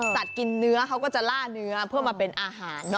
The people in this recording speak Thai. กินเนื้อเขาก็จะล่าเนื้อเพื่อมาเป็นอาหาร